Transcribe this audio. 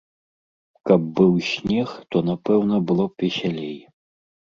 Каб быў снег, то, напэўна, было б весялей.